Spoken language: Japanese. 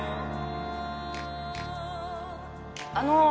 あの。